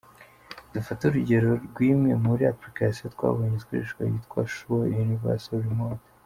Dufate urugero rw’imwe muri applications twabonye zikoreshwa yitwa ‘Sure Universal Remote’.